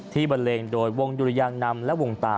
ที่บรรเลงโดยวงยุริยังนำและวงต่ำ